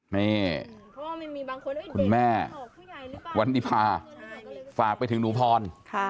นี่คุณแม่วันนิพาฝากไปถึงหนูพร